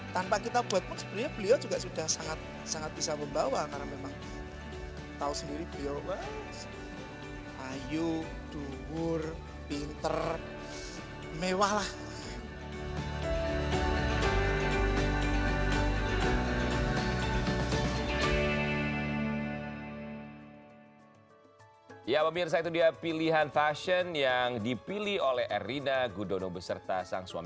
tanpa kita buat pun sebenarnya beliau juga sangat bisa membawa